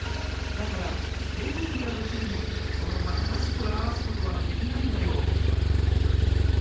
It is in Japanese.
だから平面である地図にそのまま正しく表すことはできないんだよ。